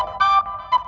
kau mau kemana